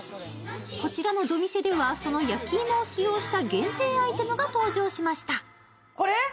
こちらのドミセではその焼き芋を使用した限定アイテムが登場しました。